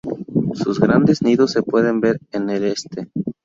Sus grandes nidos se pueden ver en este.